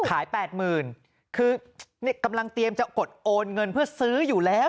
แปดหมื่นคือกำลังเตรียมจะกดโอนเงินเพื่อซื้ออยู่แล้ว